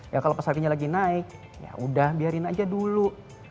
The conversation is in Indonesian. ya kalau pasarnya lagi naik ya udah biarin aja dulu